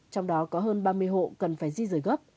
trong đó có hơn ba mươi hộ cần phải di rời gấp